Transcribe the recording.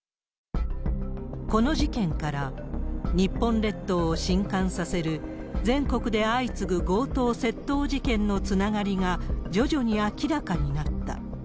この事件から日本列島をしんかんさせる全国で相次ぐ強盗、窃盗事件のつながりが徐々に明らかになった。